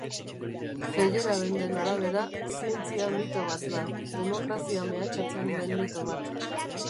Feyerabenden arabera, zientzia mito bat da, demokrazia mehatxatzen duen mito bat.